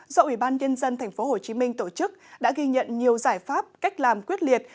do ủy ban nhân dân tp hcm tổ chức đã ghi nhận nhiều giải pháp cách làm quyết liệt